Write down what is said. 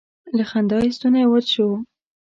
له خندا یې ستونی وچ شو.